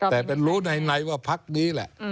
แต่รู้ไหนว่าพักนี้แหละ